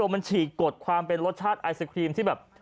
มันฉีกกดความเป็นรสชาติไอศครีมที่แบบ